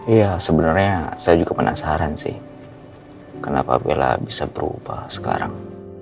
iya sebenarnya saya juga penasaran sih kenapa bella bisa berubah sekarang